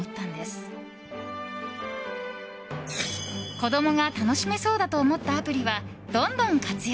子供が楽しめそうだと思ったアプリはどんどん活用。